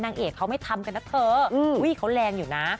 นางเอกเขาไม่ทำกันนะเธออุ้ยเขาแรงอยู่นะ